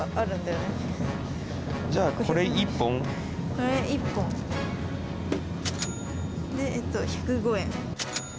これ１本。でえっと１０５円。